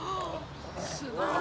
すごい。